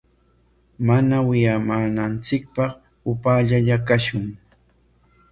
Mana wiyamananchikpaq upaallalla kashun.